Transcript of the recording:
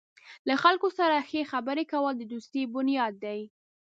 له خلکو سره ښې خبرې کول د دوستۍ بنیاد دی.